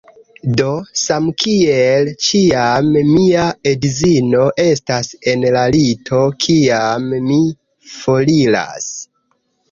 Do, samkiel ĉiam mia edzino estas en la lito, kiam mi foriras